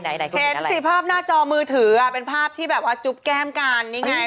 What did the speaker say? เห็นสิภาพหน้าจอมือถือเป็นภาพที่แบบว่าจุ๊บแก้มกันนี่ไง